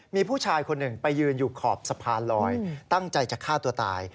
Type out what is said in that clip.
มีผู้ชายคนหนึ่งไปยืนอยู่ขอบสะพานลอยตั้งใจจะฆ่าตัวตาย